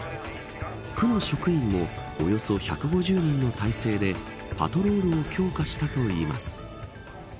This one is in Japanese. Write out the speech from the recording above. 区の職員もおよそ１５０人の態勢でパトロールを強化したといいます。